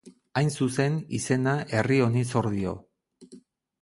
Hain zuzen, izena herri honi zor dio.